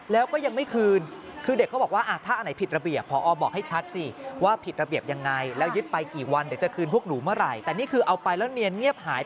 แล้วก็ยังไม่คืน